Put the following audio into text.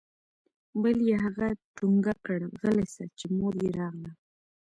بل يې هغه ټونګه كړ غلى سه چې مور يې راغله.